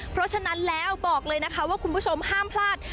เพราะฉะนั้นแล้วบอกเลยนะคะว่าคุณผู้ชมห้ามพลาด